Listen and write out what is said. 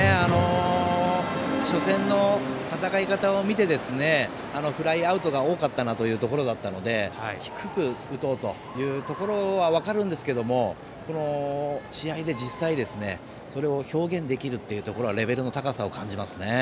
初戦の戦い方を見てフライアウトが多かったなというところだったので低く打とうというところは分かるんですけども試合で実際にそれを表現できるというのがレベルの高さを感じますね。